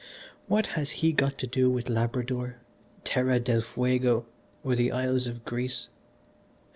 What has he got to do with Labrador, Terra del Fuego, or the Isles of Greece?